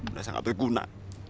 udah sangat berguna